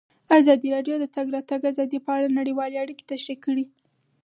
ازادي راډیو د د تګ راتګ ازادي په اړه نړیوالې اړیکې تشریح کړي.